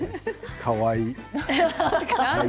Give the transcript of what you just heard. かわいい。